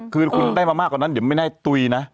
คือคุณได้มามากกว่านั้นเดี๋ยวไม่ได้ตุ๋ยนะ